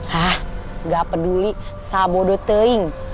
hah nggak peduli sabodo teing